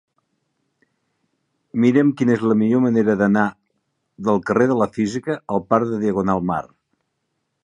Mira'm quina és la millor manera d'anar del carrer de la Física al parc de Diagonal Mar.